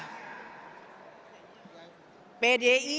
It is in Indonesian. pdi perjuangan telah berhasil mengantarkan kader terbaiknya